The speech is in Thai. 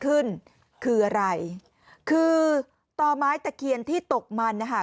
ขึ้นคืออะไรคือต่อไม้ตะเคียนที่ตกมันนะคะ